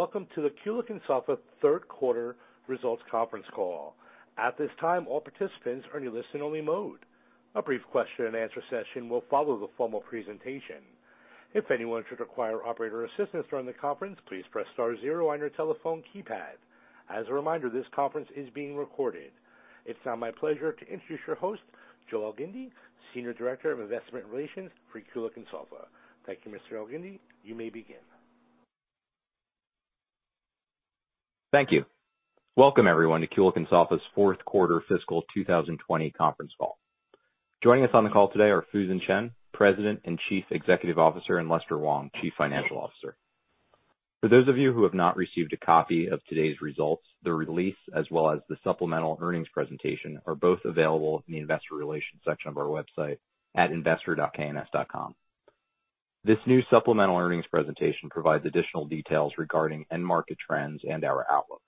Greetings, and welcome to the Kulicke & Soffa third quarter results conference call. At this time all participants are in listen only mode. A brief question and answer session will follow the formal presentation. If anyone should require operator assistance during the conference please press star zero on your telephone keypad. As a reminder this conference is being recorded. It's now my pleasure to introduce your host, Joe Elgindy, Senior Director of Investor Relations for Kulicke & Soffa. Thank you, Mr. Elgindy. You may begin. Thank you. Welcome, everyone, to Kulicke and Soffa's fourth quarter fiscal 2020 conference call. Joining us on the call today are Fusen Chen, President and Chief Executive Officer, and Lester Wong, Chief Financial Officer. For those of you who have not received a copy of today's results, the release, as well as the supplemental earnings presentation, are both available in the investor relations section of our website at investor.kns.com. This new supplemental earnings presentation provides additional details regarding end market trends and our outlook.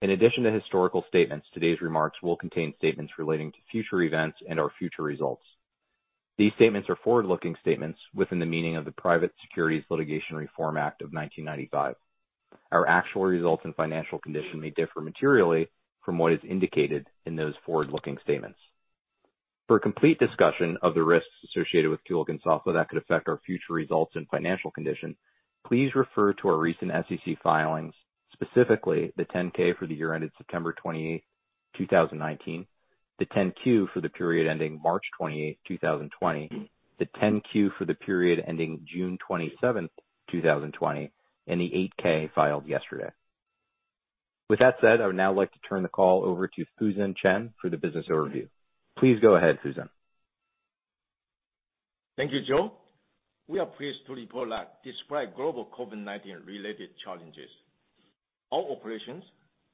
In addition to historical statements, today's remarks will contain statements relating to future events and/or future results. These statements are forward-looking statements within the meaning of the Private Securities Litigation Reform Act of 1995. Our actual results and financial condition may differ materially from what is indicated in those forward-looking statements. For a complete discussion of the risks associated with Kulicke & Soffa that could affect our future results and financial condition, please refer to our recent SEC filings, specifically the 10-K for the year ended September 28, 2019, the 10-Q for the period ending March 28, 2020, the 10-Q for the period ending June 27, 2020, and the 8-K filed yesterday. With that said, I would now like to turn the call over to Fusen Chen for the business overview. Please go ahead, Fusen. Thank you, Joe. We are pleased to report that despite global COVID-19 related challenges, our operations,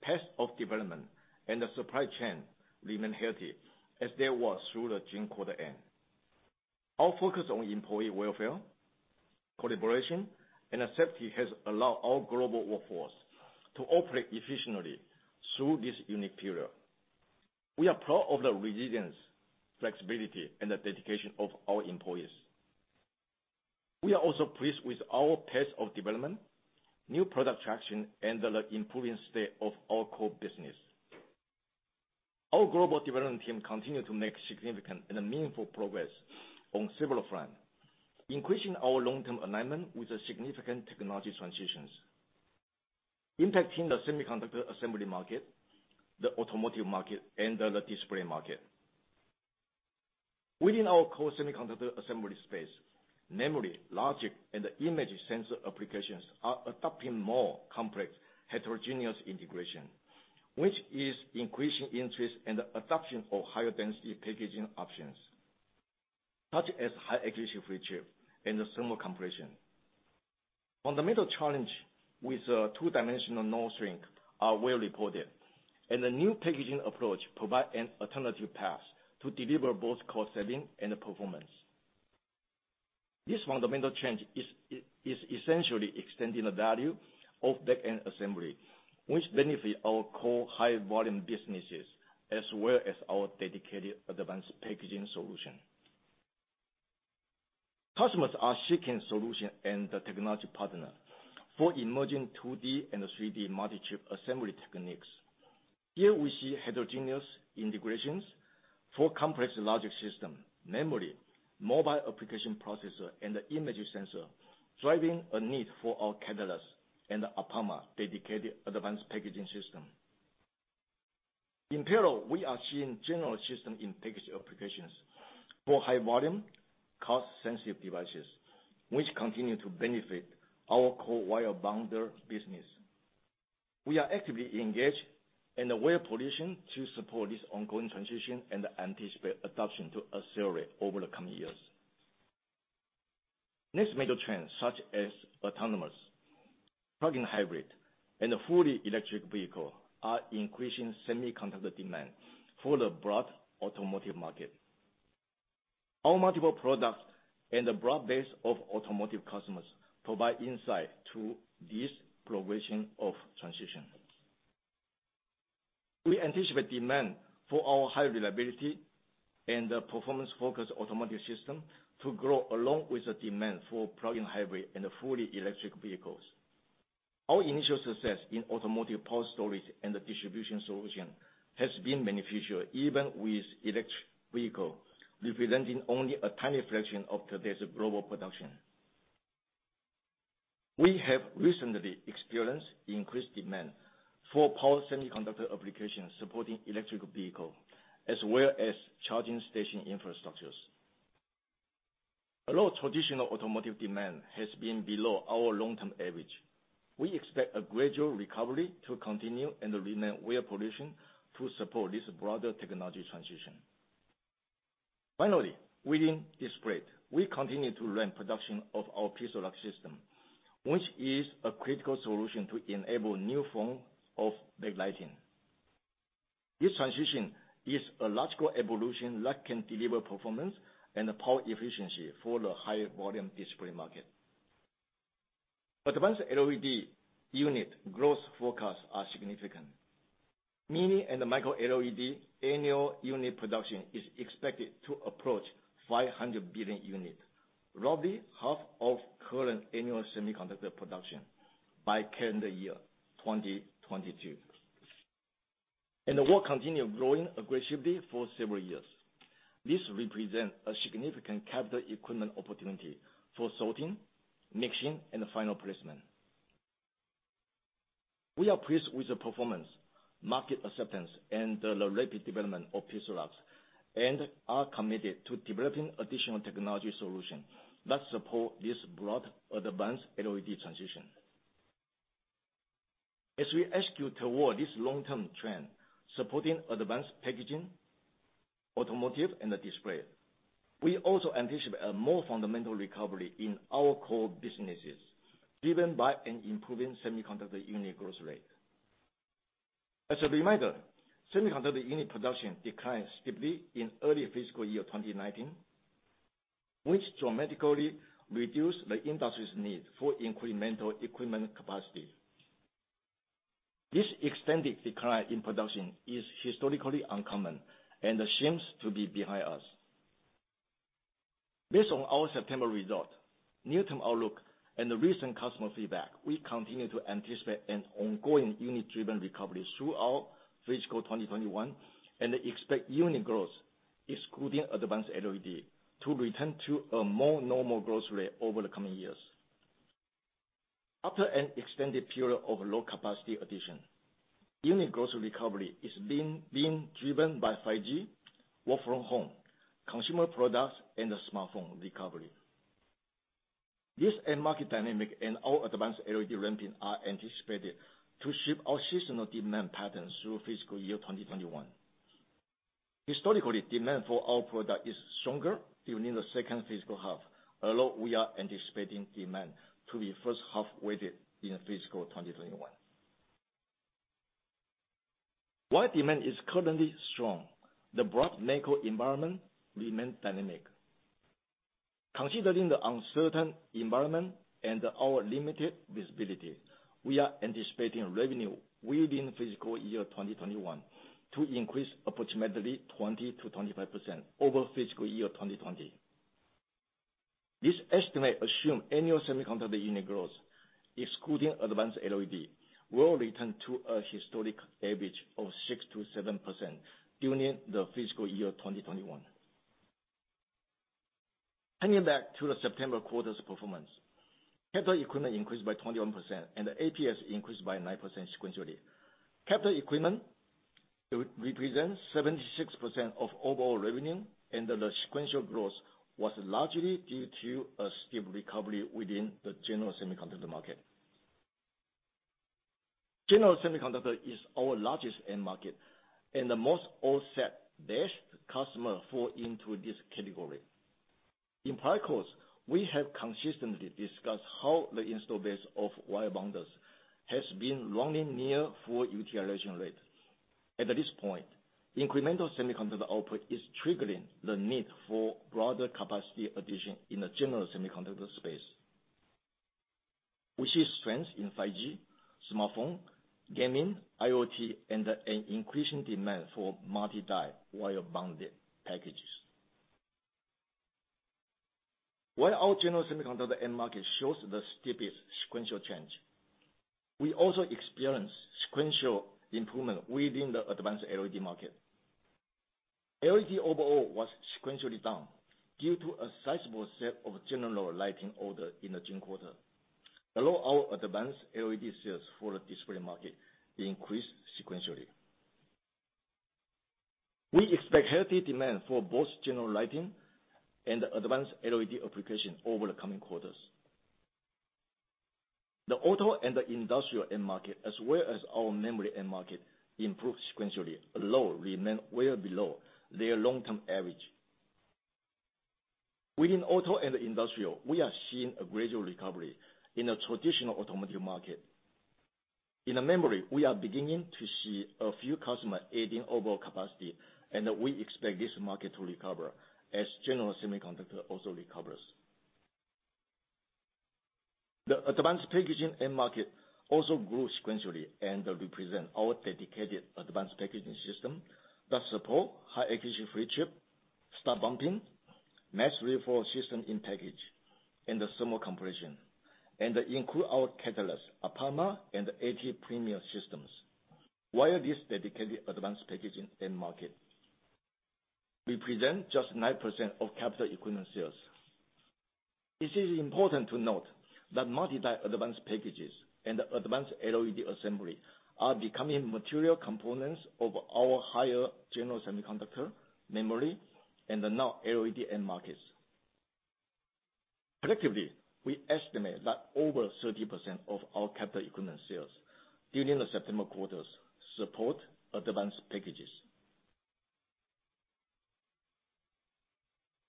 paths of development, and the supply chain remain healthy as they were through the June quarter end. Our focus on employee welfare, collaboration, and safety has allowed our global workforce to operate efficiently through this unique period. We are proud of the resilience, flexibility, and the dedication of our employees. We are also pleased with our paths of development, new product traction, and the improving state of our core business. Our global development team continue to make significant and meaningful progress on several fronts, increasing our long-term alignment with the significant technology transitions impacting the semiconductor assembly market, the automotive market, and the display market. Within our core semiconductor assembly space, memory, logic, and image sensor applications are adopting more complex heterogeneous integration, which is increasing interest in the adoption of higher density packaging options, such as high execution feature and thermal compression. Fundamental challenge with two-dimensional node shrink are well reported, and the new packaging approach provide an alternative path to deliver both cost saving and performance. This fundamental change is essentially extending the value of back-end assembly, which benefit our core high volume businesses as well as our dedicated Advanced Packaging Solutions. Customers are seeking solution and the technology partner for emerging 2D and 3D multi-chip assembly techniques. Here we see heterogeneous integrations for complex logic system, memory, mobile application processor, and the image sensor, driving a need for our Catalyst and APAMA dedicated advanced packaging system. In parallel, we are seeing general System in Package applications for high volume, cost-sensitive devices, which continue to benefit our core wire bonder business. We are actively engaged and well-positioned to support this ongoing transition and anticipate adoption to accelerate over the coming years. Next major trends, such as autonomous, plug-in hybrid, and fully electric vehicle are increasing semiconductor demand for the broad automotive market. Our multiple products and the broad base of automotive customers provide insight to this progression of transition. We anticipate demand for our high reliability and performance-focused automotive system to grow along with the demand for plug-in hybrid and fully electric vehicles. Our initial success in automotive power storage and distribution solution has been beneficial even with electric vehicle representing only a tiny fraction of today's global production. We have recently experienced increased demand for power semiconductor applications supporting electrical vehicle as well as charging station infrastructures. Although traditional automotive demand has been below our long-term average, we expect a gradual recovery to continue and remain well-positioned to support this broader technology transition. Finally, within display, we continue to ramp production of our PIXALUX system, which is a critical solution to enable new form of backlighting. This transition is a logical evolution that can deliver performance and power efficiency for the higher volume display market. Advanced LED unit growth forecasts are significant. Mini LED and Micro LED annual unit production is expected to approach 500 billion units, roughly half of current annual semiconductor production by calendar year 2022. Will continue growing aggressively for several years. This represents a significant capital equipment opportunity for sorting, mixing, and final placement. We are pleased with the performance, market acceptance, and the rapid development of PIXALUX and are committed to developing additional technology solutions that support this broad advanced LED transition. As we execute toward this long-term trend, supporting advanced packaging, automotive, and display, we also anticipate a more fundamental recovery in our core businesses, driven by an improving semiconductor unit growth rate. As a reminder, semiconductor unit production declined steeply in early fiscal year 2019, which dramatically reduced the industry's need for incremental equipment capacity. This extended decline in production is historically uncommon and seems to be behind us. Based on our September result, near-term outlook, and recent customer feedback, we continue to anticipate an ongoing unit-driven recovery throughout fiscal 2021, and expect unit growth, excluding advanced LED, to return to a more normal growth rate over the coming years. After an extended period of low capacity addition, unit growth recovery is being driven by 5G, work from home, consumer products, and smartphone recovery. This end market dynamic and our advanced LED ramping are anticipated to shift our seasonal demand patterns through fiscal year 2021. Historically, demand for our product is stronger during the second fiscal half, although we are anticipating demand to be first half weighted in fiscal 2021. While demand is currently strong, the broad macro environment remains dynamic. Considering the uncertain environment and our limited visibility, we are anticipating revenue within fiscal year 2021 to increase approximately 20%-25% over fiscal year 2020. This estimate assumes annual semiconductor unit growth, excluding advanced LED, will return to a historic average of 6%-7% during the fiscal year 2021. Hanging back to the September quarter's performance, capital equipment increased by 21% and the APS increased by 9% sequentially. Capital equipment represents 76% of overall revenue, the sequential growth was largely due to a steep recovery within the general semiconductor market. General semiconductor is our largest end market, the most often best customer fall into this category. In prior calls, we have consistently discussed how the install base of wire bonders has been running near full utilization rate. At this point, incremental semiconductor output is triggering the need for broader capacity addition in the general semiconductor space. We see strength in 5G, smartphone, gaming, IoT, and an increasing demand for multi-die wire bonder packages. While our general semiconductor end market shows the steepest sequential change, we also experienced sequential improvement within the advanced LED market. LED overall was sequentially down due to a sizable set of general lighting orders in the June quarter. Our advanced LED sales for the display market increased sequentially. We expect healthy demand for both general lighting and advanced LED applications over the coming quarters. The auto and the industrial end market, as well as our memory end market, improved sequentially, although remain well below their long-term average. Within auto and industrial, we are seeing a gradual recovery in the traditional automotive market. In memory, we are beginning to see a few customers adding overall capacity. We expect this market to recover as general semiconductor also recovers. The advanced packaging end market also grew sequentially and represents our dedicated advanced packaging system that support high 8 in wafer chip, stud bumping, mass reflow System in Package, and thermal compression, and include our Catalyst, APAMA and AT Premium systems. While this dedicated advanced packaging end market represents just 9% of capital equipment sales. It is important to note that multi-die advanced packages and advanced LED assembly are becoming material components of our higher general semiconductor memory and now LED end markets. Collectively, we estimate that over 30% of our capital equipment sales during the September quarter support advanced packages.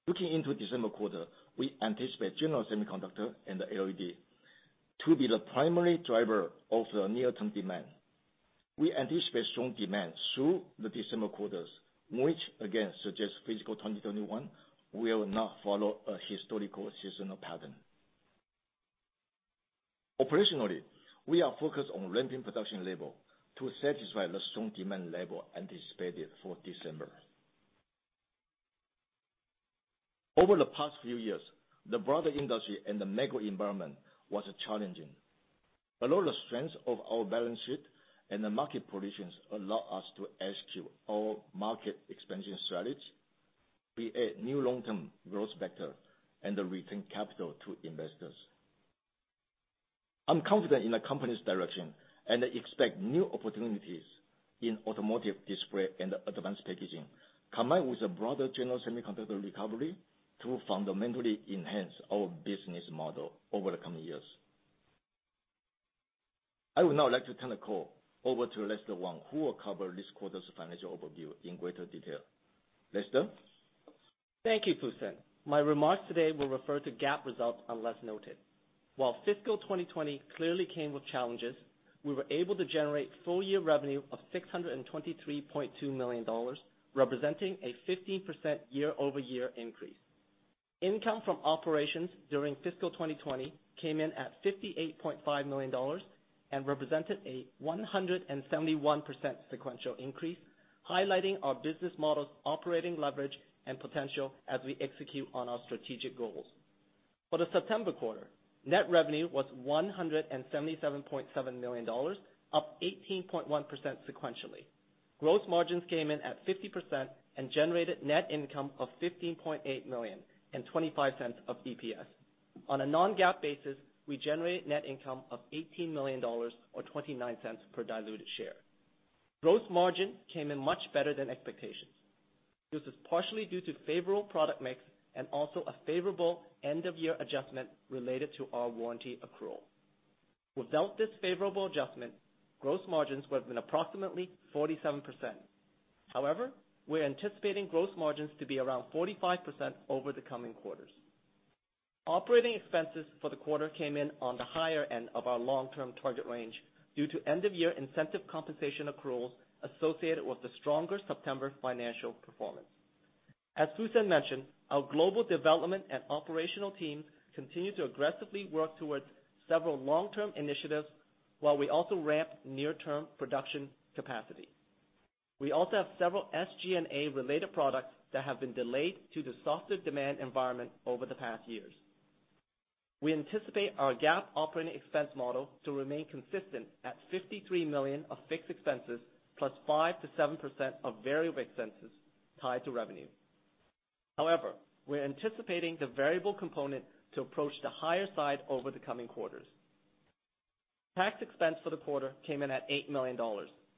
Looking into December quarter, we anticipate general semiconductor and LED to be the primary driver of the near-term demand. We anticipate strong demand through the December quarter, which again suggests fiscal 2021 will not follow a historical seasonal pattern. Operationally, we are focused on ramping production level to satisfy the strong demand level anticipated for December. Over the past few years, the broader industry and the macro environment was challenging. A lot of strength of our balance sheet and the market positions allow us to execute our market expansion strategy, create new long-term growth vector, and return capital to investors. I'm confident in the company's direction and expect new opportunities in automotive display and advanced packaging, combined with a broader general semiconductor recovery to fundamentally enhance our business model over the coming years. I would now like to turn the call over to Lester Wong, who will cover this quarter's financial overview in greater detail. Lester? Thank you, Fusen. My remarks today will refer to GAAP results unless noted. While fiscal 2020 clearly came with challenges, we were able to generate full year revenue of $623.2 million, representing a 15% year-over-year increase. Income from operations during fiscal 2020 came in at $58.5 million and represented a 171% sequential increase, highlighting our business model's operating leverage and potential as we execute on our strategic goals. For the September quarter, net revenue was $177.7 million, up 18.1% sequentially. Gross margins came in at 50% and generated net income of $15.8 million and $0.25 of EPS. On a non-GAAP basis, we generated net income of $18 million or $0.29 per diluted share. Gross margin came in much better than expectations. This is partially due to favorable product mix and also a favorable end-of-year adjustment related to our warranty accrual. Without this favorable adjustment, gross margins would have been approximately 47%. However, we're anticipating gross margins to be around 45% over the coming quarters. Operating expenses for the quarter came in on the higher end of our long-term target range due to end-of-year incentive compensation accruals associated with the stronger September financial performance. As Fusen mentioned, our global development and operational teams continue to aggressively work towards several long-term initiatives while we also ramp near-term production capacity. We also have several SG&A-related products that have been delayed to the softer demand environment over the past years. We anticipate our GAAP operating expense model to remain consistent at $53 million of fixed expenses plus 5%-7% of variable expenses tied to revenue. We're anticipating the variable component to approach the higher side over the coming quarters. Tax expense for the quarter came in at $8 million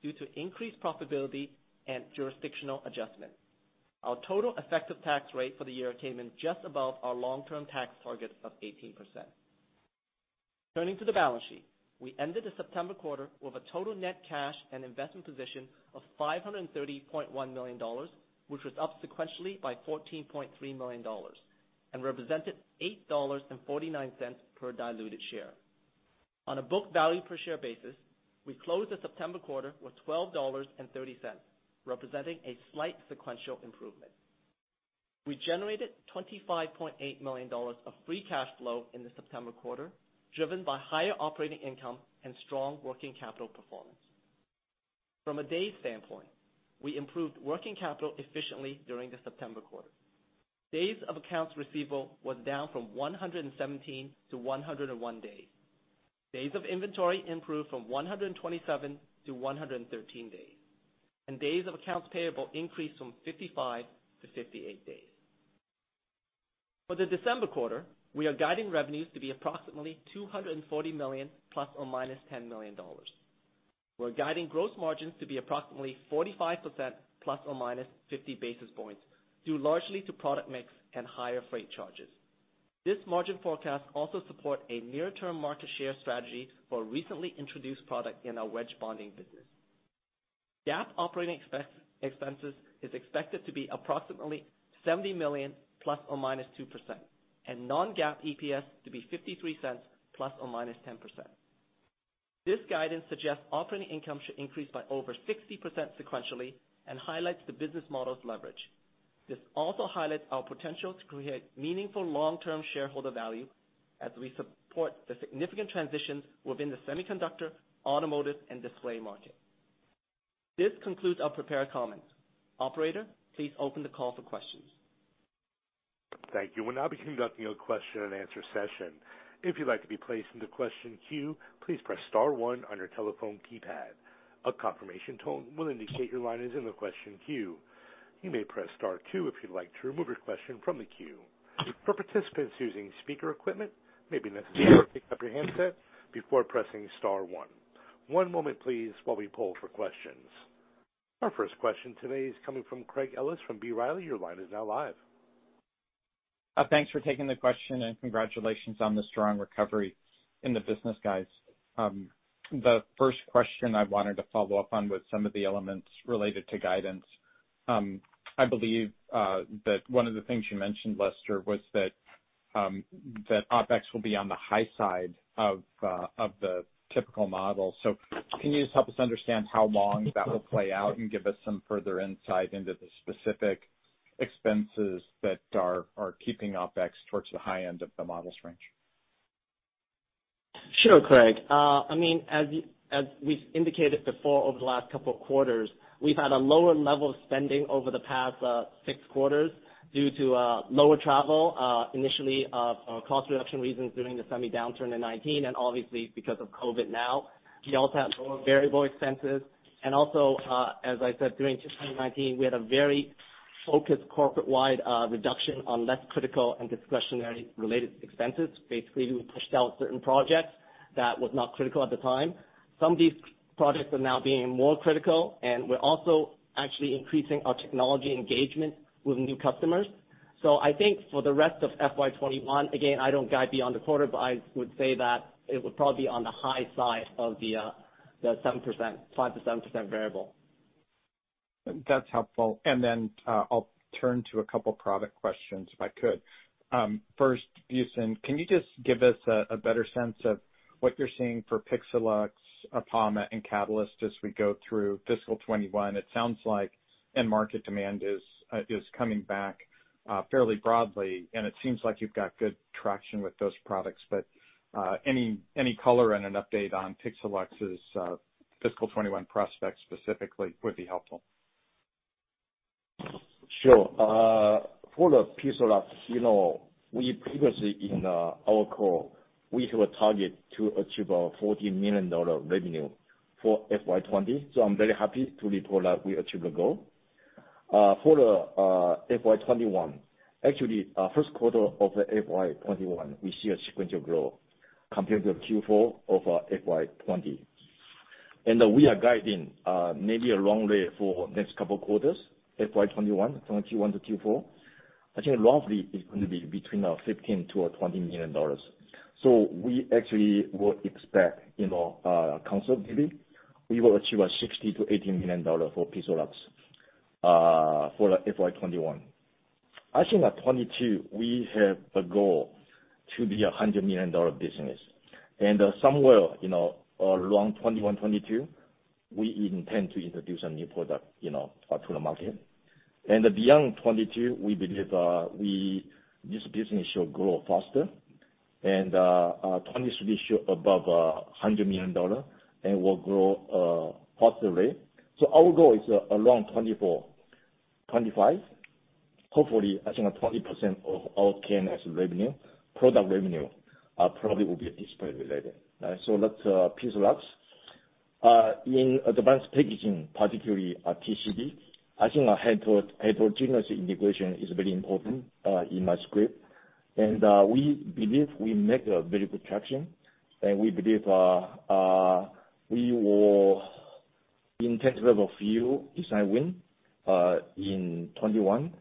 due to increased profitability and jurisdictional adjustment. Our total effective tax rate for the year came in just above our long-term tax target of 18%. Turning to the balance sheet. We ended the September quarter with a total net cash and investment position of $530.1 million, which was up sequentially by $14.3 million, and represented $8.49 per diluted share. On a book value per share basis, we closed the September quarter with $12.30, representing a slight sequential improvement. We generated $25.8 million of free cash flow in the September quarter, driven by higher operating income and strong working capital performance. From a days standpoint, we improved working capital efficiently during the September quarter. Days of accounts receivable was down from 117-101 days. Days of inventory improved from 127-113 days. Days of accounts payable increased from 55-58 days. For the December quarter, we are guiding revenues to be approximately $240 million ±$10 million. We're guiding gross margins to be approximately 45% ±50 basis points, due largely to product mix and higher freight charges. This margin forecast also support a near-term market share strategy for a recently introduced product in our wedge bonding business. GAAP operating expenses is expected to be approximately $70 million ±2%, and non-GAAP EPS to be $0.53 ±10%. This guidance suggests operating income should increase by over 60% sequentially and highlights the business model's leverage. This also highlights our potential to create meaningful long-term shareholder value as we support the significant transitions within the semiconductor, automotive, and display market. This concludes our prepared comments. Operator, please open the call for questions. Thank you. We will now begin conducting a question and answer session. If you would like to be placed in the question queue please press star one on your telephone keypad. A confirmation tone will indicate your line is in the question queue. You may press star two if you would like to remove your question from the queue. For participants using speaker equipment it will be necessary to pick up your handset before pressing star one. One moment please while we pull for questions. Our first question today is coming from Craig Ellis from B. Riley. Your line is now live. Thanks for taking the question and congratulations on the strong recovery in the business, guys. The first question I wanted to follow up on was some of the elements related to guidance. I believe that one of the things you mentioned, Lester, was that OpEx will be on the high side of the typical model. Can you just help us understand how long that will play out and give us some further insight into the specific expenses that are keeping OpEx towards the high end of the models range? Sure, Craig. As we've indicated before, over the last couple of quarters, we've had a lower level of spending over the past six quarters due to lower travel, initially, cost reduction reasons during the semi downturn in 2019, and obviously because of COVID now. We also have lower variable expenses, and also, as I said, during 2019, we had a very focused corporate-wide reduction on less critical and discretionary related expenses. Basically, we pushed out certain projects that were not critical at the time. Some of these projects are now being more critical, and we're also actually increasing our technology engagement with new customers. I think for the rest of FY 2021, again, I don't guide beyond the quarter, but I would say that it would probably be on the high side of the 5%-7% variable. That's helpful. Then, I'll turn to a couple product questions if I could. First, Fusen, can you just give us a better sense of what you're seeing for PIXALUX, APAMA, and Catalyst as we go through fiscal 2021? It sounds like end market demand is coming back fairly broadly, and it seems like you've got good traction with those products. Any color and an update on PIXALUX's fiscal 2021 prospects specifically would be helpful. Sure. For the PIXALUX, we previously in our call, we have a target to achieve a $40 million revenue for FY 2020, so I'm very happy to report that we achieved the goal. For the FY 2021, actually, first quarter of FY 2021, we see a sequential growth compared to Q4 of FY 2020. We are guiding maybe a runway for next couple quarters, FY 2021, from Q1 to Q4. I think roughly it's going to be between $15 million-$20 million. We actually will expect conservatively, we will achieve $60 million-$80 million for PIXALUX for FY 2021. I think by 2022, we have a goal to be a $100 million business. Somewhere around 2021, 2022, we intend to introduce a new product to the market. Beyond 2022, we believe this business should grow faster and 2023 should be above $100 million and will grow positively. Our goal is around 2024-2025. Hopefully, I think 20% of our K&S revenue, product revenue, probably will be display related. That's PIXALUX. In advanced packaging, particularly TCB, I think heterogeneous integration is very important in my script. We believe we make a very good traction, and we believe we will in terms of a few design win in 2021.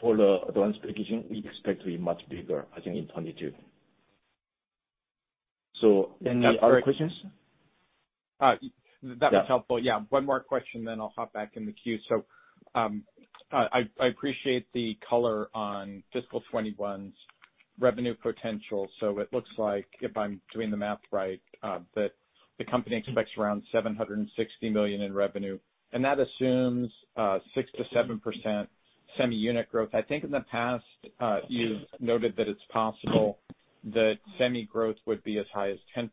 For the advanced packaging, we expect to be much bigger, I think, in 2022. Any other questions? That was helpful. Yeah. One more question, I'll hop back in the queue. I appreciate the color on fiscal 2021's revenue potential. It looks like, if I'm doing the math right, that the company expects around $760 million in revenue, and that assumes 6%-7% semi unit growth. I think in the past, you've noted that it's possible that semi growth would be as high as 10%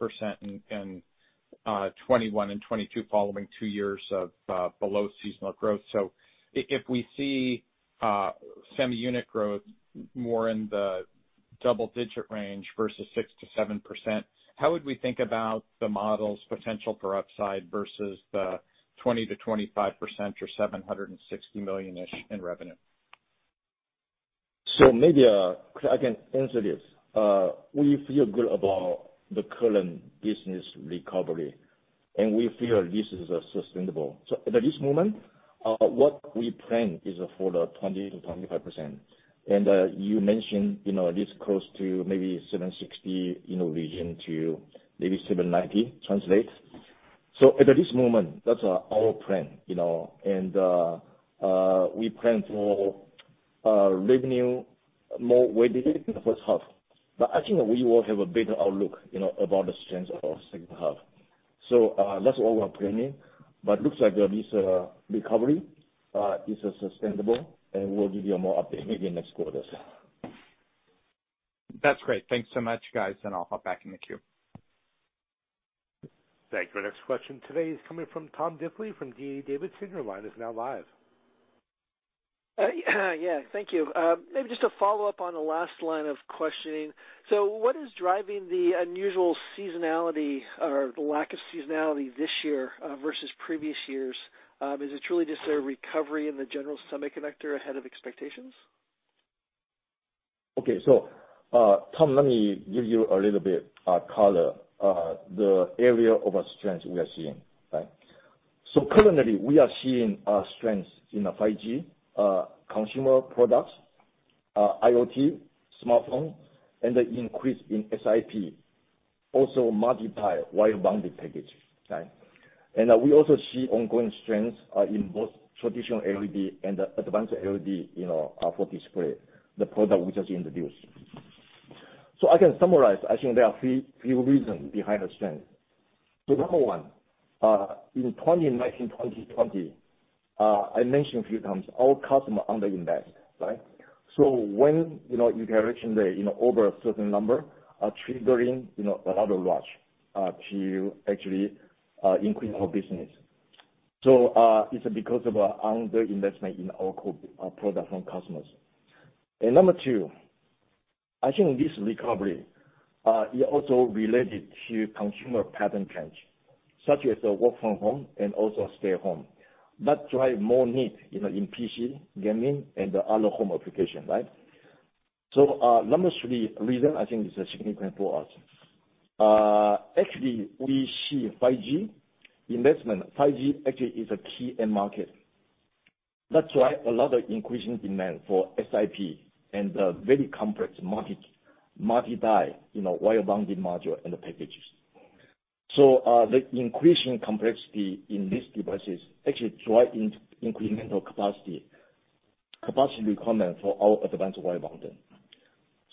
in 2021 and 2022, following two years of below seasonal growth. If we see semi unit growth more in the double digit range versus 6%-7%, how would we think about the model's potential for upside versus the 20%-25% or $760 million-ish in revenue? Maybe, Craig, I can answer this. We feel good about the current business recovery, and we feel this is sustainable. At this moment, what we plan is for the 20%-25%. You mentioned, this close to maybe $760 region to maybe $790 translate. At this moment, that's our plan. We plan for revenue more weighted in the first half. I think we will have a better outlook about the strength of second half. That's what we're planning, but looks like this recovery is sustainable, and we'll give you more update maybe in next quarters. That's great. Thanks so much, guys, and I'll hop back in the queue. Thank you. Next question today is coming from Tom Diffely from D.A. Davidson. Your line is now live. Yeah. Thank you. Maybe just a follow-up on the last line of questioning. What is driving the unusual seasonality or the lack of seasonality this year versus previous years? Is it truly just a recovery in the general semiconductor ahead of expectations? Okay. Tom, let me give you a little bit color, the area of strength we are seeing. Currently, we are seeing strength in 5G consumer products, IoT, smartphone, and the increase in SiP, also multiply wire bonded package. We also see ongoing strength in both traditional LED and advanced LED for display, the product we just introduced. I can summarize, I think there are three reasons behind the strength. The number one, in 2019, 2020, I mentioned a few times, our customer under-invest, right? When you direction there over a certain number, are triggering a lot of rush to actually increase our business. It's because of our under-investment in our core product from customers. Number two, I think this recovery, is also related to consumer pattern change, such as the work from home and also stay home. That drive more need in PC, gaming, and the other home application. Number three reason I think is significant for us. Actually, we see 5G investment. 5G actually is a key end market. That's why a lot of increasing demand for SiP and the very complex multi-die wire bonding module and the packages. The increasing complexity in these devices actually drive incremental capacity requirement for our advanced wire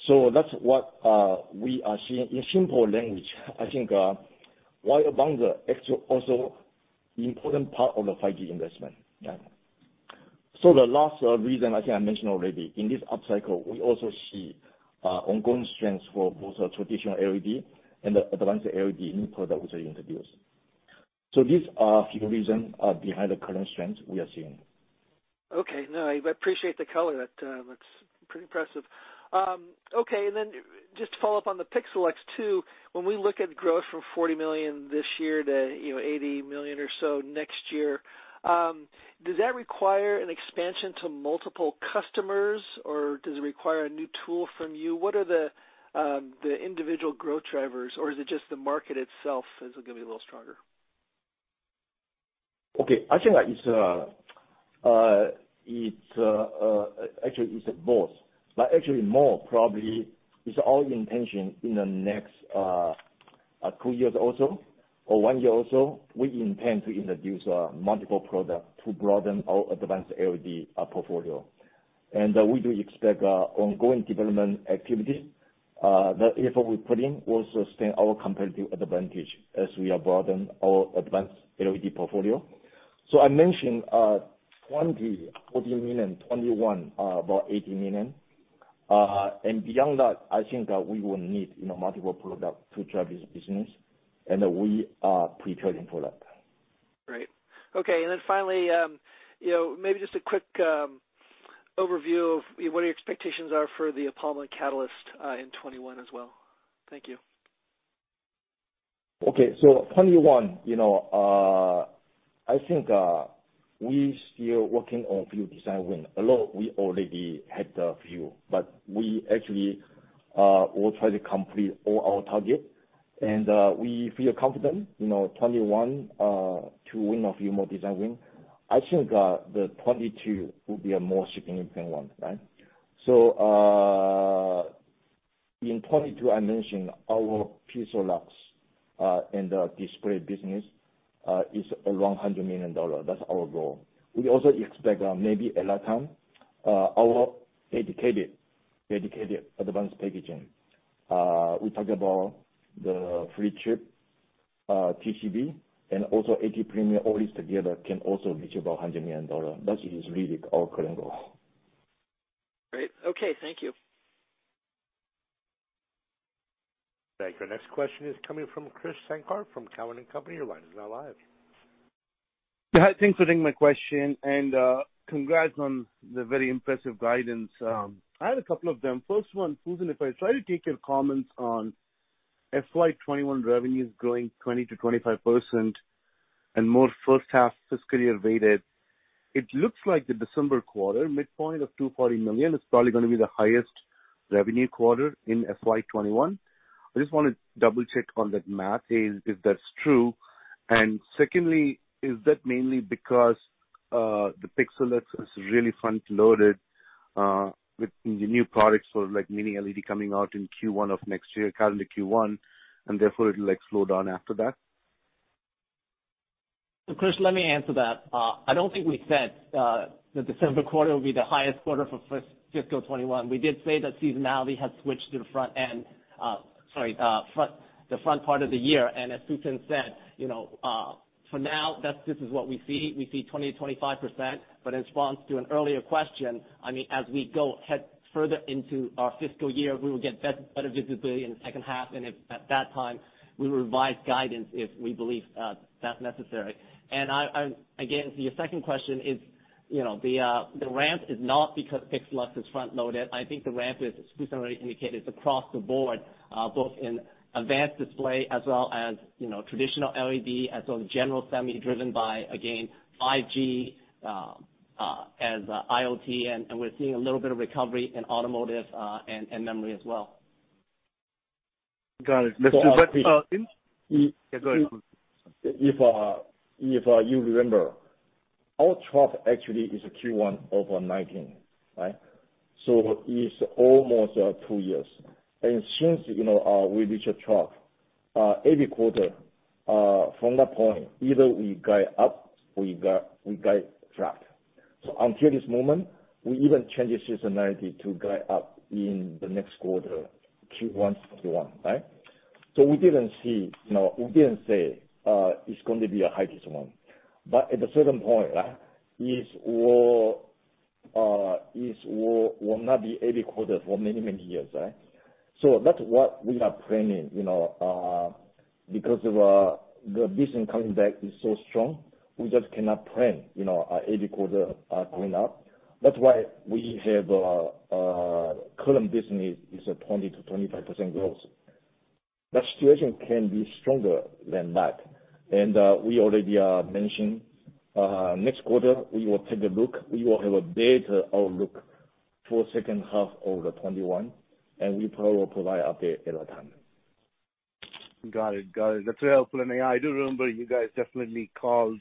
bonding. That's what we are seeing. In simple language, I think, wire bond is actually also important part of the 5G investment. Yeah. The last reason, I think I mentioned already, in this up cycle, we also see ongoing strengths for both the traditional LED and the advanced LED new product we are introduce. These are a few reasons behind the current strengths we are seeing. No, I appreciate the color. That's pretty impressive. Just to follow up on the PIXALUX 2, when we look at growth from $40 million this year to $80 million or so next year, does that require an expansion to multiple customers, or does it require a new tool from you? What are the individual growth drivers, or is it just the market itself is going to be a little stronger? Okay. I think actually, it's both. Actually more probably, it's our intention in the next two years or so, or one year or so, we intend to introduce multiple products to broaden our Advanced LED portfolio. We do expect ongoing development activities. The effort we put in will sustain our competitive advantage as we broaden our Advanced LED portfolio. I mentioned $2,040 million, 2021, about $80 million. Beyond that, I think that we will need multiple products to drive this business, and we are preparing for that. Great. Okay. Finally, maybe just a quick overview of what your expectations are for the APAMA, Catalyst in 2021 as well? Thank you. 2021, I think we still working on few design win. A lot we already had a few, but we actually will try to complete all our target. We feel confident, 2021, to win a few more design win. I think the 2022 will be a more significant one, right? In 2022, I mentioned our PIXALUX, and the display business, is around $100 million. That's our goal. We also expect maybe Alatar, our dedicated advanced packaging. We talk about the flip chip, TCB and also AT Premium, all these together can also reach about $100 million. That is really our current goal. Great. Okay. Thank you. Thank you. Our next question is coming from Krish Sankar from Cowen and Company. Your line is now live. Yeah. Thanks for taking my question, and congrats on the very impressive guidance. I had a couple of them. First one, Fusen, if I try to take your comments on FY 2021 revenues growing 20%-25% and more first half fiscal year weighted, it looks like the December quarter midpoint of $240 million is probably going to be the highest revenue quarter in FY 2021. I just want to double-check on that math, if that's true. Secondly, is that mainly because the PIXALUX is really front-loaded, with the new products for Mini LED coming out in Q1 of next year, calendar Q1, and therefore it'll slow down after that? Krish, let me answer that. I don't think we said that December quarter will be the highest quarter for fiscal 2021. We did say that seasonality has switched to the front end, sorry, the front part of the year. As Fusen said, for now this is what we see. We see 20%-25%. In response to an earlier question, as we go head further into our fiscal year, we will get better visibility in the second half, and at that time, we revise guidance if we believe that's necessary. Again, to your second question is, the ramp is not because PIXALUX is front-loaded. I think the ramp, as Fusen already indicated, is across the board, both in advanced display as well as traditional LED, as well as general semi, driven by, again, 5G, as IoT, and we're seeing a little bit of recovery in automotive, and memory as well. Got it. Yeah, go ahead. If you remember, our trough actually is Q1 of 2019, right? It's almost two years. Since we reach a trough. Every quarter from that point, either we guide up or we guide flat. Until this moment, we even changed seasonality to guide up in the next quarter, Q1 2021. We didn't say it's going to be a high this one. At a certain point, it will not be every quarter for many years. That's what we are planning. Because of the business coming back is so strong, we just cannot plan every quarter going up. That's why we have current business is at 20%-25% growth. The situation can be stronger than that, and we already mentioned, next quarter, we will take a look. We will have a better outlook for second half over 2021, and we probably will provide update at that time. Got it. That's very helpful. I do remember you guys definitely called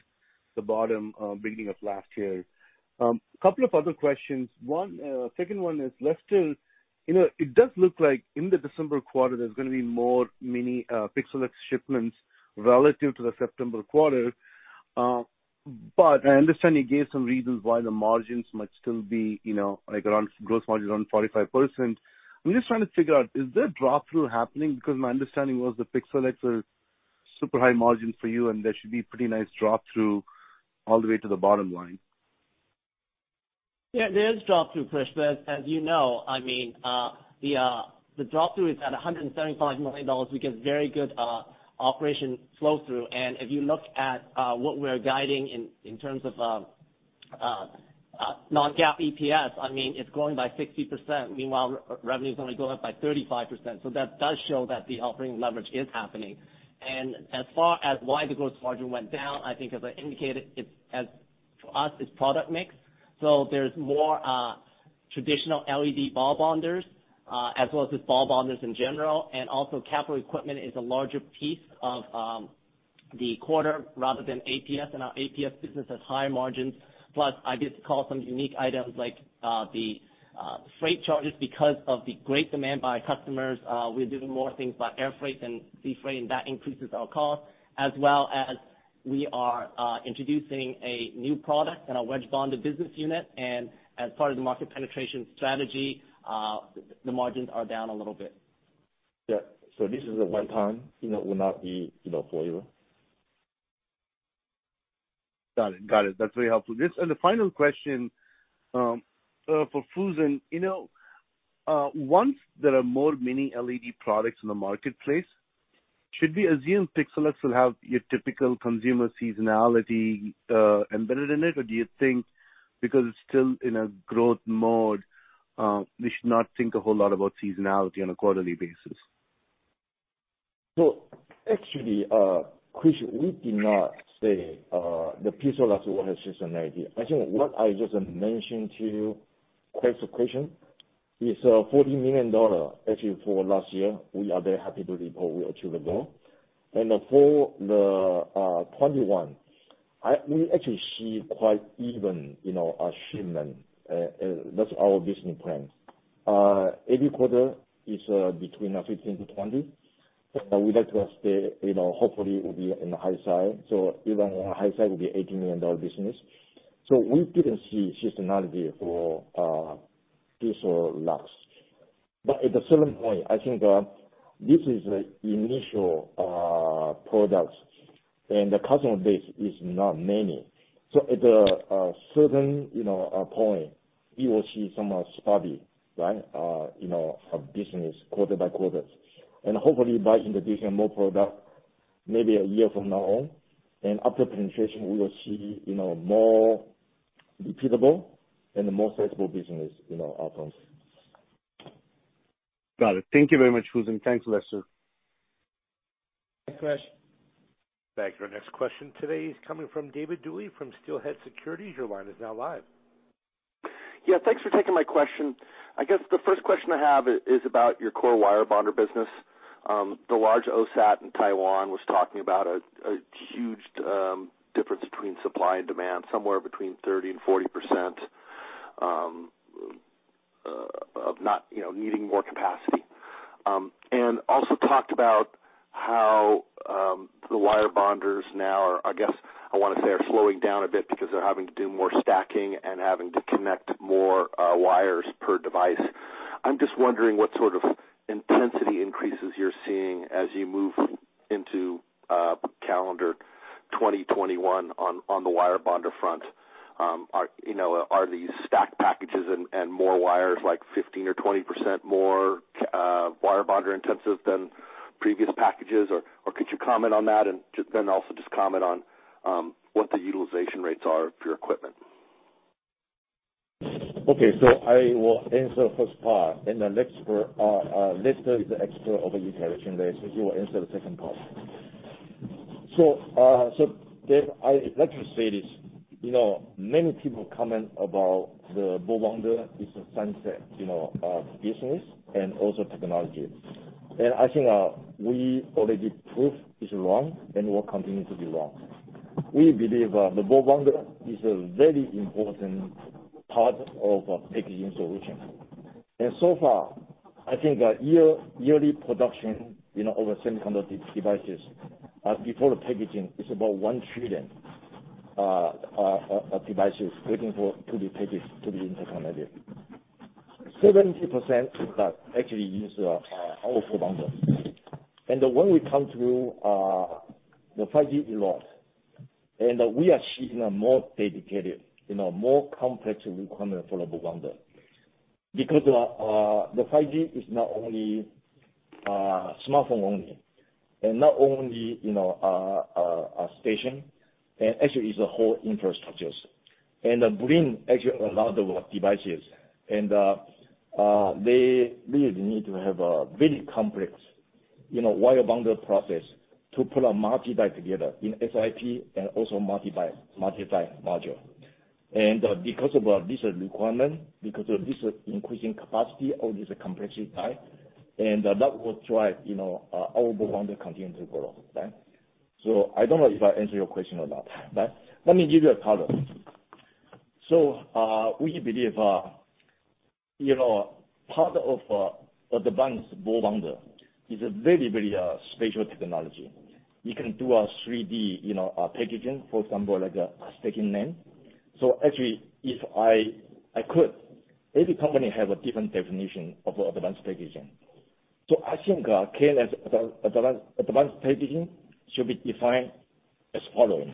the bottom beginning of last year. Couple of other questions. Second one is, Lester, it does look like in the December quarter, there's going to be more mini PIXALUX shipments relative to the September quarter. I understand you gave some reasons why the margins might still be around, gross margin is around 45%. I'm just trying to figure out, is there drop-through happening? My understanding was the PIXALUX are super high margin for you, and there should be pretty nice drop-through all the way to the bottom line. Yeah, there is drop-through, Krish. As you know, the drop-through is at $175 million. We get very good operation flow-through, and if you look at what we're guiding in terms of non-GAAP EPS, it's growing by 60%. Meanwhile, revenue is only going up by 35%. That does show that the operating leverage is happening. As far as why the gross margin went down, I think as I indicated, for us, it's product mix. There's more traditional LED ball bonders, as well as just ball bonders in general, and also capital equipment is a larger piece of the quarter rather than APS, and our APS business has higher margins. Plus, I just call some unique items like the freight charges. Because of the great demand by customers, we're doing more things by air freight than sea freight, and that increases our cost. As well as we are introducing a new product in our wedge bonded business unit. As part of the market penetration strategy, the margins are down a little bit. Yeah. This is a one-time, will not be forever. Got it. That's very helpful. The final question, for Fusen. Once there are more Mini LED products in the marketplace, should we assume PIXALUX will have your typical consumer seasonality embedded in it, or do you think because it's still in a growth mode, we should not think a whole lot about seasonality on a quarterly basis? Actually, Krish, we did not say the PIXALUX will have seasonality. I think what I just mentioned to you, close the question, is $40 million actually for last year. We are very happy to report we achieved the goal. For the 2021, we actually see quite even our shipment. That's our business plan. Every quarter is between 15-20. We'd like to stay, hopefully it will be in the high side. Even our high side will be $18 million business. We didn't see seasonality for PIXALUX. At a certain point, I think this is the initial products, and the customer base is not many. Hopefully, by introducing more product, maybe a year from now on, and after penetration, we will see more repeatable and more flexible business outcomes. Got it. Thank you very much, Fusen. Thanks, Lester. Thanks, Krish. Thanks. Our next question today is coming from David Duley from Steelhead Securities. Your line is now live. Yeah, thanks for taking my question. I guess the first question I have is about your core wire bonder business. The large OSAT in Taiwan was talking about a huge difference between supply and demand, somewhere between 30%-40% of needing more capacity. Also talked about how the wire bonders now are, I guess, I want to say, are slowing down a bit because they're having to do more stacking and having to connect more wires per device. I'm just wondering what sort of intensity increases you're seeing as you move into calendar 2021 on the wire bonder front. Are these stacked packages and more wires, like 15%-20% more wire bonder intensive than previous packages, or could you comment on that? Also just comment on what the utilization rates are for your equipment. I will answer first part, and then Lester is the expert of utilization rates, so he will answer the second part. David, I like to say this. Many people comment about the ball bonder is a sunset business and also technology. I think we already proved it's wrong and will continue to be wrong. We believe the ball bonder is a very important part of our packaging solution. So far, I think our yearly production of semiconductor devices before the packaging is about 1 trillion devices waiting to be packaged, to be interconnected. 70% that actually use our ball bonder. When we come to the 5G rollout, and we are seeing a more dedicated, more complex requirement for the ball bonder. Because the 5G is not only smartphone-only and not only a station, it actually is the whole infrastructures. Bring, actually, a lot of devices. They really need to have a very complex ball bonder process to put a multi-die together in SiP and also multi-die module. Because of this requirement, because of this increasing capacity or this complexity type, that will drive our ball bonder continue to grow. I don't know if I answered your question or not, but let me give you a color. We believe part of advanced ball bonder is a very, very special technology. You can do a 3D packaging, for example, like stacking memory. Actually, if I could, every company have a different definition of advanced packaging. I think, Ken, advanced packaging should be defined as following.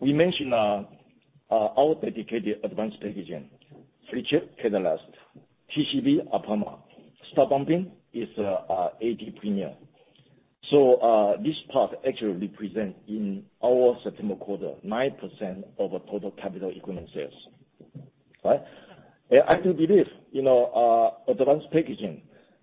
We mentioned our dedicated advanced packaging, flip chip, Catalyst, TCB, interposer, stud bumping is AT Premier. This part actually represent in our September quarter, 9% of our total capital equipment sales. I do believe advanced packaging,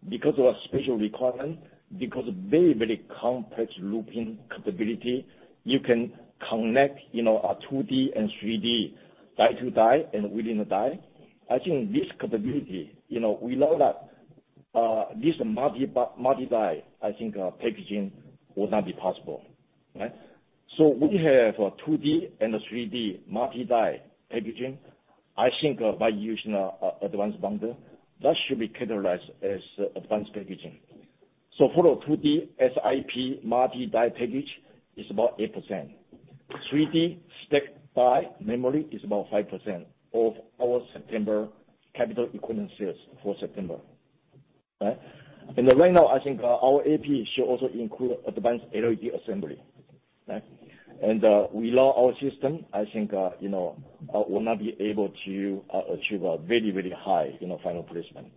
because of our special requirement, because of very, very complex looping capability, you can connect a 2D and 3D die to die and within a die. I think this capability, we know that this multi-die, I think, packaging would not be possible. We have a 2D and a 3D multi-die packaging. I think by using advanced bonder, that should be categorized as advanced packaging. For a 2D SiP multi-die package is about 8%. 3D stacked die memory is about 5% of our September capital equipment sales for September. Right now, I think our AP should also include advanced LED assembly. We know our system, I think, will not be able to achieve a very, very high final placement.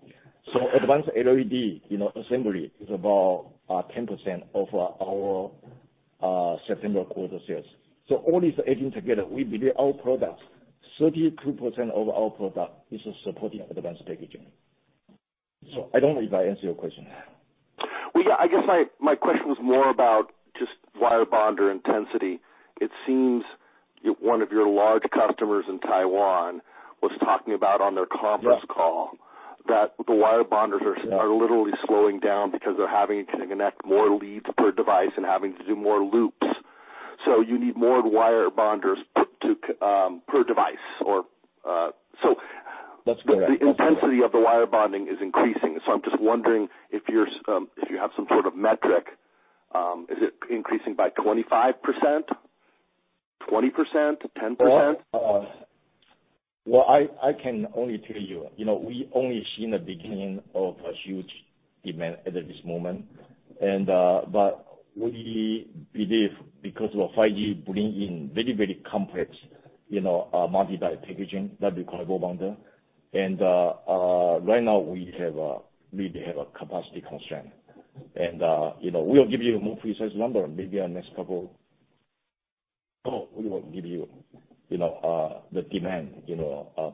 Advanced LED assembly is about 10% of our September quarter sales. All these adding together, we believe our products, 32% of our product is supporting advanced packaging. I don't know if I answered your question. Well, I guess my question was more about just wire bonder intensity. It seems one of your large customers in Taiwan was talking about on their conference call that the wire bonders are literally slowing down because they're having to connect more leads per device and having to do more loops. You need more wire bonders per device? That's correct. The intensity of the wire bonding is increasing, so I'm just wondering if you have some sort of metric. Is it increasing by 25%? 20%? 10%? Well, I can only tell you, we only seen the beginning of a huge demand at this moment. We believe because of 5G bringing very, very complex multi-die packaging, that require ball bonder, and right now we have a capacity constraint. We'll give you a more precise number, maybe on next couple call, we will give you the demand,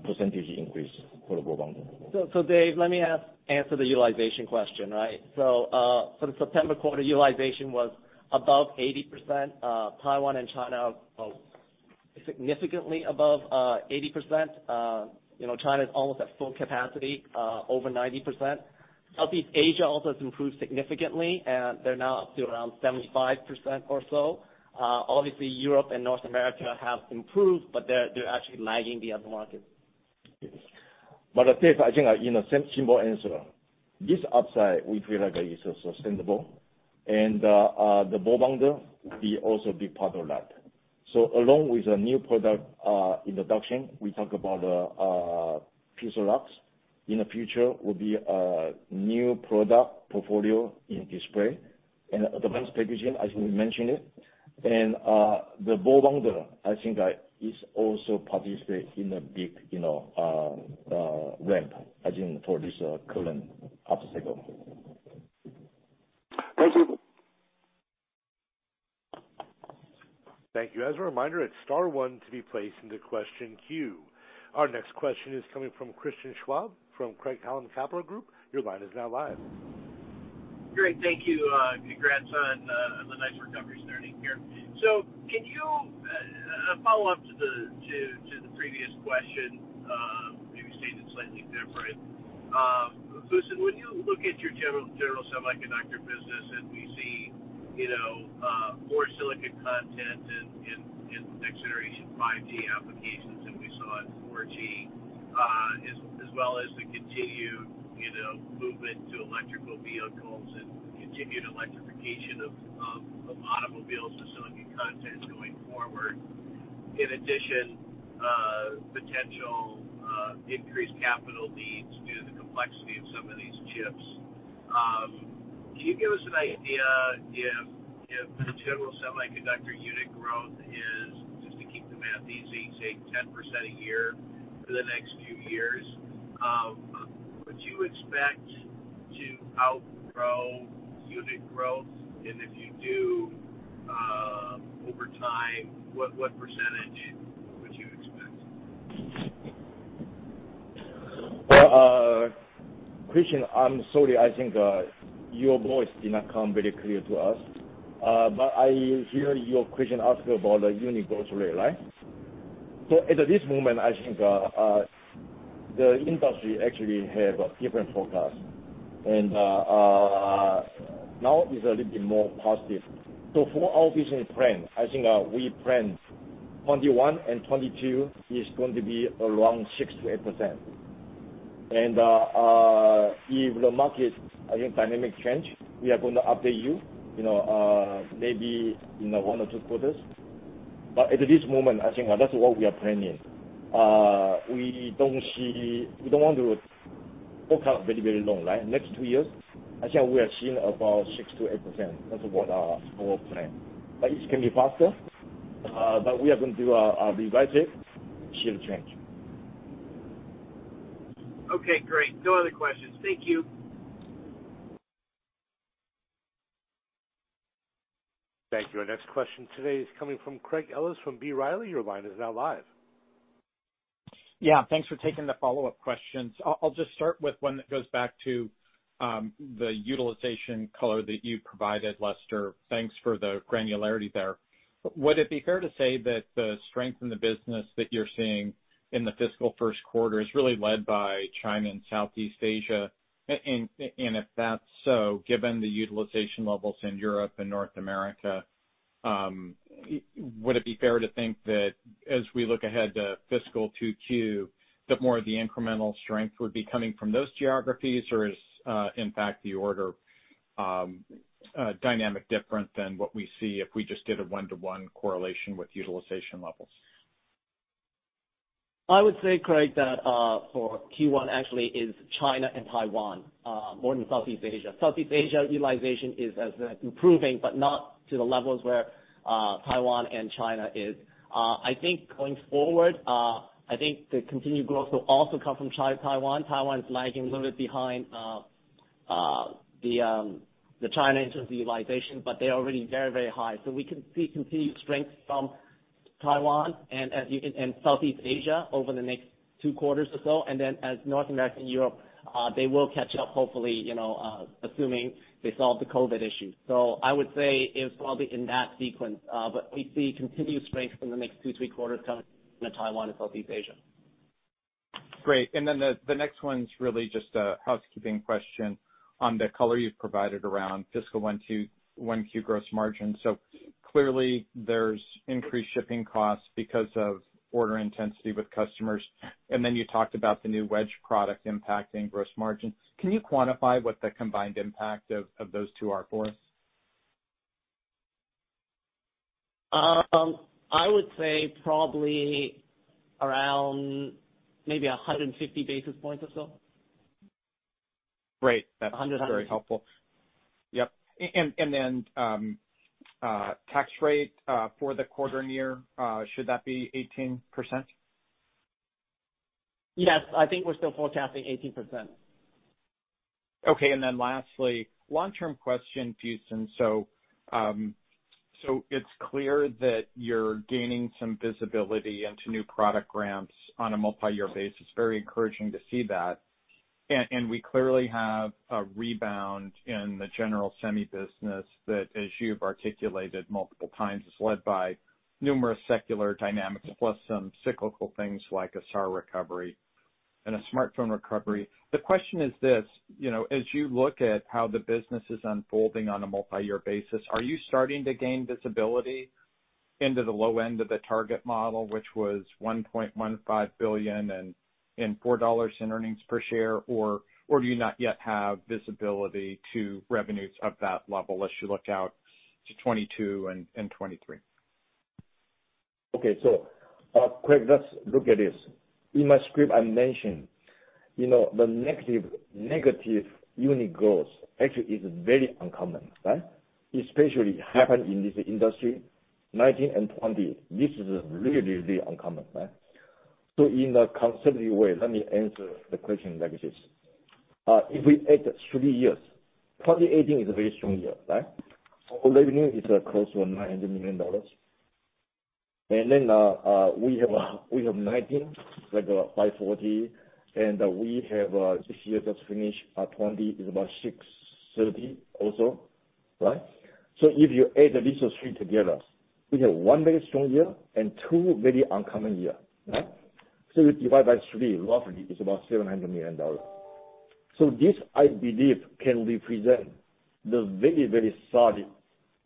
percentage increase for the ball bonder. Fusen, let me answer the utilization question. For the September quarter, utilization was above 80%, Taiwan and China both. Significantly above 80%. China's almost at full capacity, over 90%. Southeast Asia also has improved significantly, they're now up to around 75% or so. Obviously, Europe and North America have improved, they're actually lagging the other markets. Dave, I think, similar answer. This upside, we feel like is sustainable, and the ball bonder will also be part of that. Along with the new product introduction, we talk about PIXALUX, in the future will be a new product portfolio in display, and Advanced Packaging, as we mentioned it. The ball bonder, I think is also participate in a big ramp, I think, for this current cycle. Thank you. Thank you. As a reminder, it's star one to be placed into question queue. Our next question is coming from Christian Schwab from Craig-Hallum Capital Group. Your line is now live. Great. Thank you. Congrats on the nice recovery starting here. Can you follow up to the previous question? Right. Fusen, when you look at your general semiconductor business and we see more silicon content in next generation 5G applications than we saw in 4G, as well as the continued movement to electrical vehicles and the continued electrification of automobiles with silicon content going forward. In addition, potential increased capital needs due to the complexity of some of these chips. Can you give us an idea if the general semiconductor unit growth is, just to keep the math easy, say 10% a year for the next few years, would you expect to outgrow unit growth? If you do, over time, what percentage would you expect? Well, Christian, I'm sorry, I think your voice did not come very clear to us. I hear your question asked about the unit growth rate, right? At this moment, I think, the industry actually have a different forecast. And now is a little bit more positive. For our business plan, I think we planned 2021 and 2022 is going to be around 6%-8%. If the market, I think, dynamic change, we are going to update you, maybe in one or two quarters. At this moment, I think that's what we are planning. We don't want to forecast very long, right? Next two years, I think we are seeing about 6%-8%. That's what our plan. But it can be faster, but we are going to revise it should change. Okay, great. No other questions. Thank you. Thank you. Our next question today is coming from Craig Ellis from B. Riley. Your line is now live. Yeah, thanks for taking the follow-up questions. I'll just start with one that goes back to the utilization color that you provided, Lester. Thanks for the granularity there. Would it be fair to say that the strength in the business that you're seeing in the fiscal first quarter is really led by China and Southeast Asia? If that's so, given the utilization levels in Europe and North America, would it be fair to think that as we look ahead to fiscal 2Q, that more of the incremental strength would be coming from those geographies? Is in fact the order dynamic different than what we see if we just did a one-to-one correlation with utilization levels? I would say, Craig, that for Q1 actually is China and Taiwan, more than Southeast Asia. Southeast Asia utilization is as improving, but not to the levels where Taiwan and China is. I think going forward, I think the continued growth will also come from Taiwan. Taiwan is lagging a little bit behind the China in terms of utilization, but they are already very high. We can see continued strength from Taiwan and Southeast Asia over the next two quarters or so. As North America and Europe, they will catch up, hopefully, assuming they solve the COVID issue. I would say it's probably in that sequence. We see continued strength in the next two, three quarters coming from Taiwan and Southeast Asia. Great. The next one's really just a housekeeping question on the color you've provided around fiscal 1Q gross margin. Clearly there's increased shipping costs because of order intensity with customers. You talked about the new wedge product impacting gross margin. Can you quantify what the combined impact of those two are for us? I would say probably around maybe 150 basis points or so. Great. Hundred. That's very helpful. Yep. Then tax rate for the quarter and year, should that be 18%? Yes, I think we're still forecasting 18%. Lastly, long-term question, Fusen. It's clear that you're gaining some visibility into new product ramps on a multi-year basis. Very encouraging to see that. We clearly have a rebound in the general semi business that, as you've articulated multiple times, is led by numerous secular dynamics plus some cyclical things like a SAR recovery and a smartphone recovery. The question is this, as you look at how the business is unfolding on a multi-year basis, are you starting to gain visibility into the low end of the target model, which was $1.15 billion and $4 in earnings per share, or do you not yet have visibility to revenues of that level as you look out to 2022 and 2023? Okay. Craig, let's look at this. In my script, I mentioned the negative unit growth actually is very uncommon, right? Especially happened in this industry, 2019 and 2020. This is really uncommon, right? In a conservative way, let me answer the question like this. If we add three years, 2018 is a very strong year, right? Revenue is close to $900 million. Then we have 2019, like $540 million, and we have this year just finished, 2020, is about $630 million also. Right? If you add these three together, we have one very strong year and two very uncommon year, right? You divide by three, roughly, it's about $700 million. This, I believe, can represent the very, very solid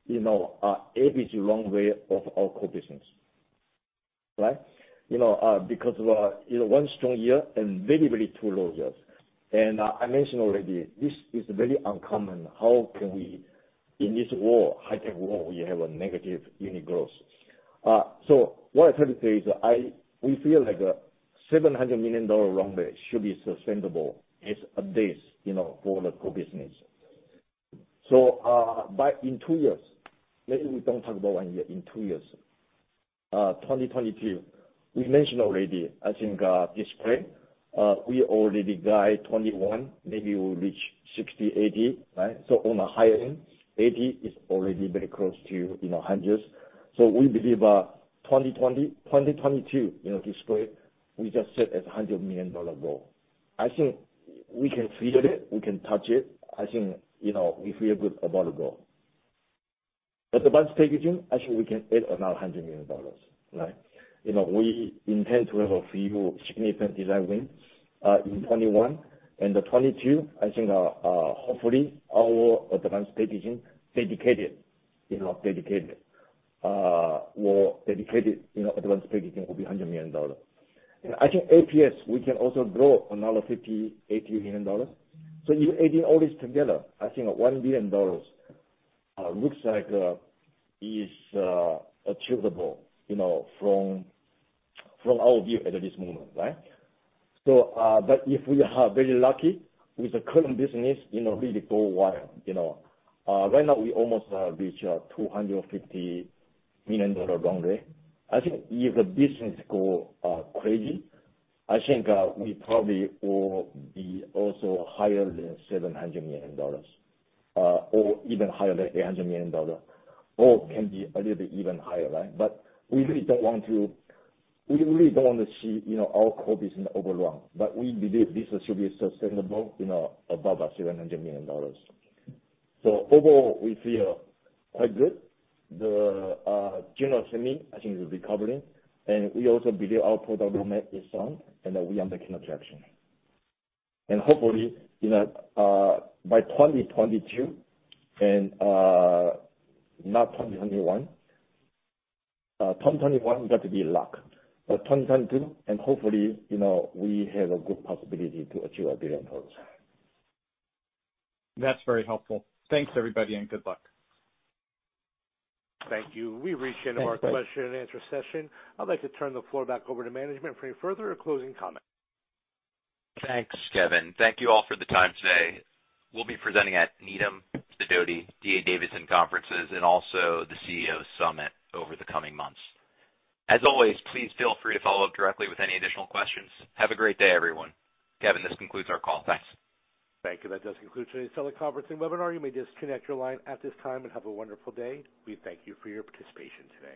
ABC runway of our core business. Right? Because of one strong year and very, very two low years. I mentioned already, this is very uncommon. How can we, in this war, high tech war, we have a negative unit growth. What I'm trying to say is we feel like $700 million runway should be sustainable as a base for the core business. By in two years, maybe we don't talk about one year, in two years, 2022, we mentioned already, I think, display, we already guide 2021, maybe we'll reach $60 million-$80 million, right? On the higher end, $80 million is already very close to $100 million. We believe 2022 display, we just set as $100 million goal. I think we can feel it, we can touch it. I think we feel good about the goal. Advanced Packaging, I think we can add another $100 million. Right. We intend to have a few significant design wins in 2021, and 2022, I think, hopefully, our Advanced Packaging dedicated will be $100 million. I think APS, we can also grow another $50 million-$80 million. You're adding all this together. I think $1 billion looks like is achievable from our view at this moment, right? If we are very lucky with the current business, really go wild. Right now, we almost reach $250 million runway. If the business go crazy, I think we probably will be also higher than $700 million. Even higher than $800 million, or can be a little bit even higher, right? We really don't want to see our core business overrun. We believe this should be sustainable above $700 million. Overall, we feel quite good. The general semi, I think, will be recovering. We also believe our product roadmap is sound, and that we are making traction. Hopefully, by 2022 and not 2021. 2021 got to be luck. 2022, and hopefully, we have a good possibility to achieve $1 billion. That's very helpful. Thanks, everybody, and good luck. Thank you. We've reached the end of our question and answer session. I'd like to turn the floor back over to management for any further or closing comments. Thanks, Kevin. Thank you all for the time today. We'll be presenting at Needham, Sidoti, D.A. Davidson conferences, and also the CEO Summit over the coming months. As always, please feel free to follow up directly with any additional questions. Have a great day, everyone. Kevin, this concludes our call. Thanks. Thank you. That does conclude today's teleconference and webinar. You may disconnect your line at this time and have a wonderful day. We thank you for your participation today.